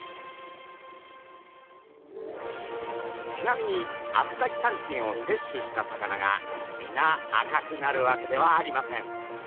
ちなみにアスタキサンチンをせっしゅした魚がみな赤くなるわけではありません。